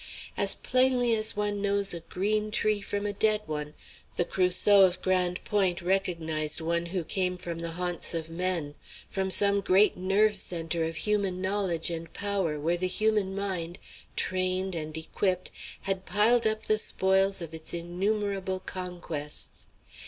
As plainly as one knows a green tree from a dead one, the Crusoe of Grande Pointe recognized one who came from the haunts of men; from some great nerve centre of human knowledge and power where the human mind, trained and equipped, had piled up the spoils of its innumerable conquests.